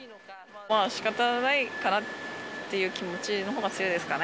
しかたないかなっていう気持ちのほうが強いですかね。